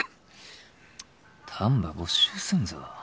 丹波没収すんぞ。